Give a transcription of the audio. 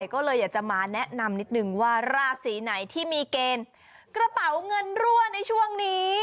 ก็เลยอยากจะมาแนะนำนิดนึงว่าราศีไหนที่มีเกณฑ์กระเป๋าเงินรั่วในช่วงนี้